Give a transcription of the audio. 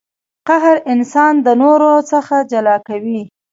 قهر انسان د نورو څخه جلا کوي.